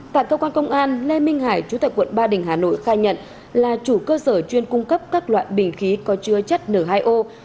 tại cơ quan công an lê minh hải chú tại quận ba đình hà nội khai nhận là chủ cơ sở chuyên cung cấp các loại bình khí có chứa chất n hai o